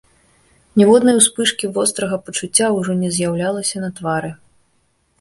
Ніводнай успышкі вострага пачуцця ўжо не з'яўлялася на твары.